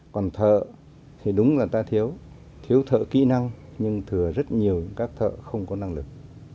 còn thợ thì đúng là ta thiếu thiếu thợ kỹ năng nhưng thừa rất nhiều các thợ không có năng lực